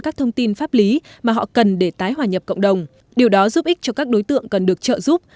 các thông tin pháp lý mà họ cần để tái hòa nhập cộng đồng điều đó giúp ích cho các đối tượng cần được trợ giúp